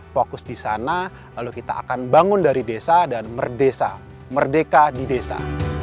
fokus di sana lalu kita akan bangun dari desa dan merdesa merdeka di desa